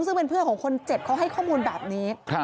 ซึ่งเป็นเพื่อนของคนเจ็บเขาให้ข้อมูลแบบนี้